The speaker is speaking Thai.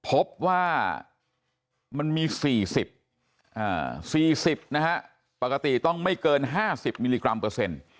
พบว่ามันมี๔๐๔๐นะฮะปกติต้องไม่เกิน๕๐มิลลิกรัมเปอร์เซ็นต์